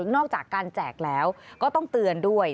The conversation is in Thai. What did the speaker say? นอกจากการแจกแล้วก็ต้องเตือนด้วย